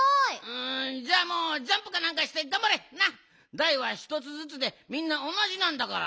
だいはひとつずつでみんなおなじなんだから。